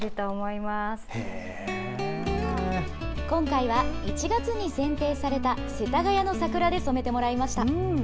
今回は１月にせんていされた世田谷の桜で染めてもらいました。